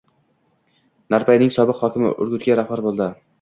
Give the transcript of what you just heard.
Narpayning sobiq hokimi Urgutga rahbar bo‘ldi